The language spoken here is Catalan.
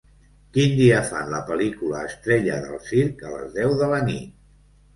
quin dia fan la pel·lícula Estrella del circ a les deu de la nit